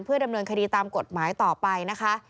ดำเนินคดีตามกฎหมายต่อไปนะคะ